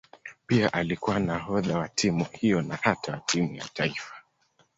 Pia alikuwa nahodha wa timu hiyo na hata wa timu ya taifa.